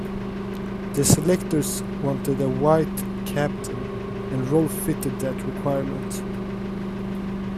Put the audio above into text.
The selectors wanted a white captain and Rolph fitted that requirement.